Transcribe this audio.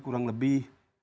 kurang lebih sembilan ribu